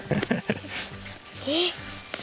えっ。